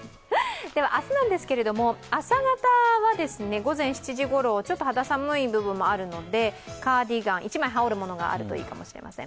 明日なんですけれども、朝方は午前７時ごろ、ちょっと寒いので、カーディガン、１枚羽織るものがあればいいかもしれません。